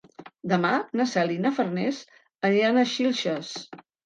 Demà na Cel i na Farners aniran a Xilxes.